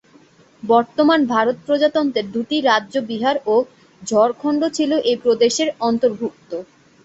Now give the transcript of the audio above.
বর্তমান ভারত প্রজাতন্ত্রের দুটি রাজ্য বিহার ও ঝাড়খণ্ড ছিল এই প্রদেশের অন্তর্ভুক্ত।